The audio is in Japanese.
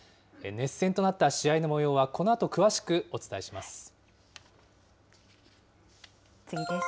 熱戦となった試合のもようはこのあと詳しくお伝えします。